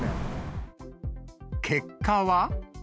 結果は。